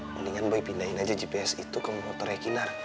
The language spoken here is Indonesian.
mendingan boy pindahin aja gps itu ke motornya kinar